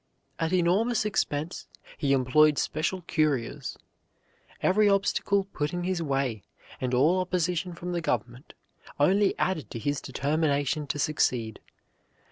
At enormous expense he employed special couriers. Every obstacle put in his way, and all opposition from the government, only added to his determination to succeed.